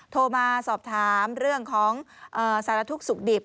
โทรมาสอบถามเรื่องของสารทุกข์สุขดิบ